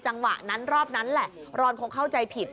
จังหวะนั้นรอบนั้นแหละรอนคงเข้าใจผิด